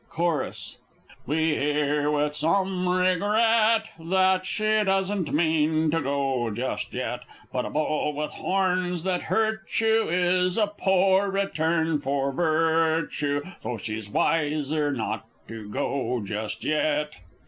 Chorus. We hear, with some regret, That she doesn't mean to go just yet. But a Bull with horns that hurt you Is a poor return for virtue, So she's wiser not to go just yet!